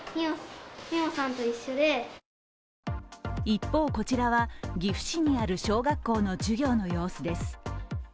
一方、こちらは岐阜市にある小学校の授業の様子です。